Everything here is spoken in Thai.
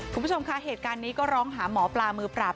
คุณผู้ชมคะเหตุการณ์นี้ก็ร้องหาหมอปลามือปราบ